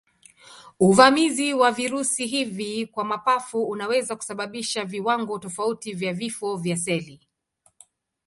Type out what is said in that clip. Uvamizi wa virusi hivi kwa mapafu unaweza kusababisha viwango tofauti vya vifo vya seli.